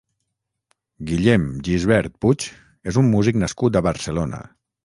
Guillem Gisbert Puig és un músic nascut a Barcelona.